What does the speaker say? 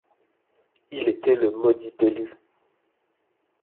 Il était le maudit élu.